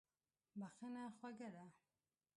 بښنه خوږه ده.